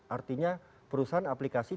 artinya perusahaan aplikasi